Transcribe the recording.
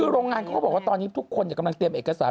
คือโรงงานเขาก็บอกว่าตอนนี้ทุกคนกำลังเตรียมเอกสาร